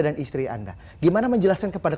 dan istri anda gimana menjelaskan kepada